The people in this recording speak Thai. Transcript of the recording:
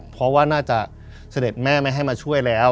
เพราะว่าน่าจะเสด็จแม่ไม่ให้มาช่วยแล้ว